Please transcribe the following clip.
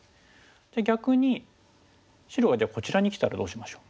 逆に白がじゃあこちらにきたらどうしましょう？